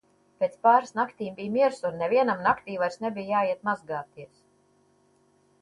Pēc pāris naktīm bija miers un nevienam naktī vairs nebija jāiet mazgāties.